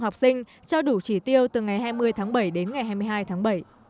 học sinh cho đủ chỉ tiêu từ ngày hai mươi tháng bảy đến ngày hai mươi hai tháng bảy